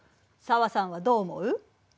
紗和さんはどう思う？